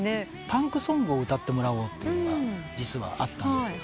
パンクソングを歌ってもらおうというのが実はあったんですよ。